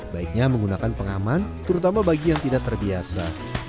baiknya menggunakan pengaman terutama bagi yang tidak terbiasa